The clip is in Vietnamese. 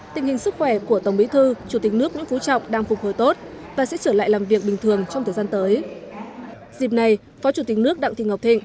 tình hình sức khỏe của tổng bí thư chủ tịch nước nguyễn phú trọng đang phục hồi tốt và sẽ trở lại làm việc bình thường trong thời gian tới